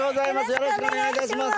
よろしくお願いします。